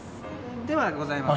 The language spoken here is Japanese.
ではございません。